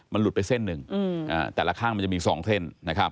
มันหลุดไปเส้นหนึ่งแต่ละข้างมันจะมีสองเส้น